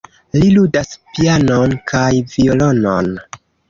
Li ludas pianon kaj violonon.